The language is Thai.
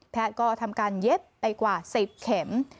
ก็ทำการเย็บไปกว่า๑๐เข็ม